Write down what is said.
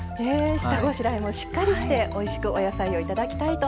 下ごしらえもしっかりしておいしくお野菜を頂きたいと思います。